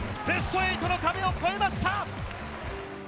ベスト８の壁を越えました。